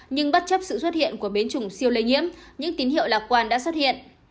nhưng bất chấp sự xuất hiện của biến chủng siêu lây nhiễm những tín hiệu lạc quan đã xuất hiện